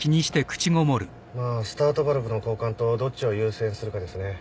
まあスタートバルブの交換とどっちを優先するかですね。